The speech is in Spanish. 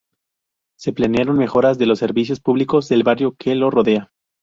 Se planearon mejoras de los servicios públicos del barrio que lo rodea.